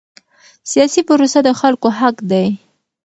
سیاسي پروسه د خلکو حق دی